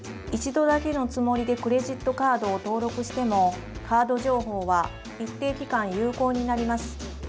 一度だけのつもりでクレジットカードを登録してもカード情報は一定期間有効になります。